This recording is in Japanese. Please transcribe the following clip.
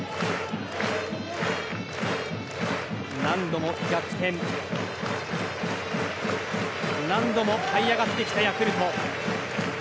何度も逆転、何度もはい上がってきたヤクルト。